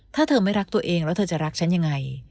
ถ้าเธอไม่รักตัวเองแล้วเธอจะรักฉันยังไง